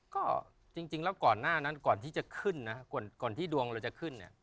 ก็จริงแล้วก่อนหน้านั้นก่อนที่จะขึ้นนะก่อนที่ดวงเราจะขึ้นเนี่ย